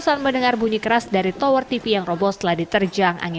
saat mendengar bunyi keras dari tower tv yang roboh setelah diterjang angin